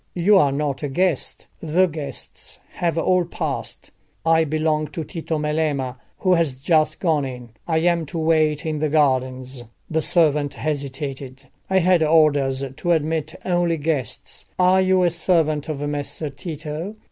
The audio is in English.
"You are not a guest; the guests have all passed." "I belong to Tito Melema, who has just gone in. I am to wait in the gardens." The servant hesitated. "I had orders to admit only guests. Are you a servant of Messer Tito?"